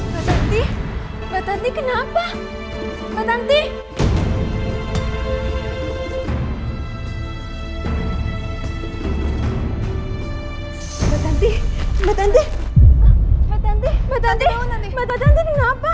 mbak nanti kenapa whisper